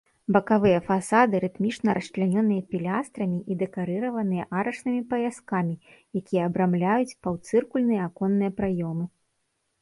Бакавыя фасады рытмічна расчлянёныя пілястрамі і дэкарыраваныя арачнымі паяскамі, якія абрамляюць паўцыркульныя аконныя праёмы.